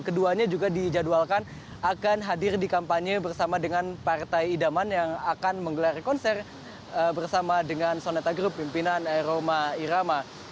keduanya juga dijadwalkan akan hadir di kampanye bersama dengan partai idaman yang akan menggelar konser bersama dengan soneta group pimpinan roma irama